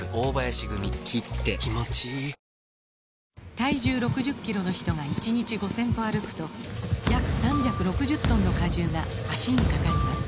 体重６０キロの人が１日５０００歩歩くと約３６０トンの荷重が脚にかかります